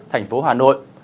thành phố hà nội